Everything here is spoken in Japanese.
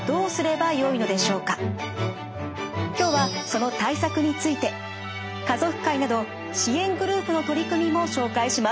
今日はその対策について家族会など支援グループの取り組みも紹介します。